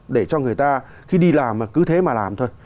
để cho người ta khi đi làm mà cứ thế mà làm thôi